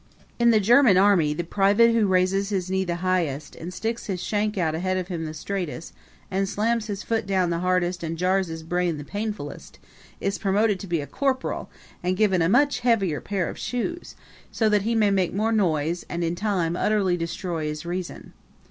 In the German army the private who raises his knee the highest and sticks his shank out ahead of him the straightest, and slams his foot down the hardest and jars his brain the painfulest, is promoted to be a corporal and given a much heavier pair of shoes, so that he may make more noise and in time utterly destroy his reason.